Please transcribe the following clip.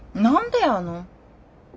何でやの。